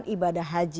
apakah ibadah haji